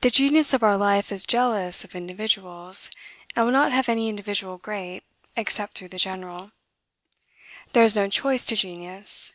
The Genius of our life is jealous of individuals, and will not have any individual great, except through the general. There is no choice to genius.